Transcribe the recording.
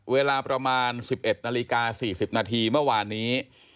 เวลาประมาณ๑๑นาฬิกา๔๐นาทีเมื่อวานนี้